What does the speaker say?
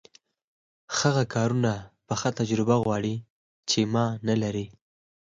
هغه کارونه پخه تجربه غواړي چې ما نلري.